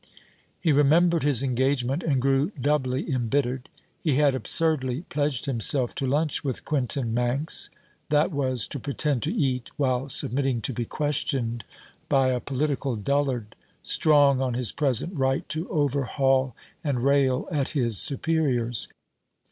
He remembered his engagement and grew doubly embittered. He had absurdly pledged himself to lunch with Quintin Manx; that was, to pretend to eat while submitting to be questioned by a political dullard strong on his present right to overhaul and rail at his superiors.